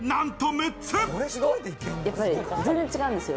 全然違うんですよ。